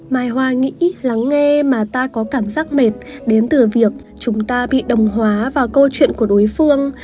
mai hoa nghĩ lắng nghe mà ta có cảm giác mệt đến từ việc chúng ta bị đồng hóa vào câu chuyện của đối phương